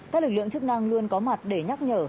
các lực lượng chức năng luôn có mặt để nhắc nhở